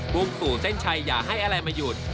พุ่งสู่เส้นชัยอย่าให้อะไรมาหยุด